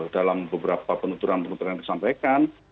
dalam beberapa penuturan penuturan yang disampaikan